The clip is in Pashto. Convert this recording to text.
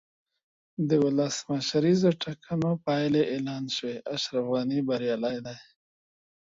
د ولسمشریزو ټاکنو پایلې اعلان شوې، اشرف غني بریالی دی.